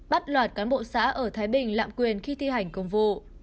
bắt loạt cán bộ xã ở thái bình lạm quyền khi thi hành công vụ